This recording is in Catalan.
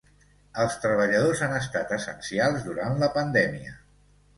Els treballadors han estat essencials durant la pandèmia.